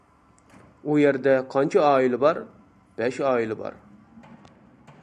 -ئۇ يەردە قانچە ئائىلە بار؟ -بەش ئائىلە بار.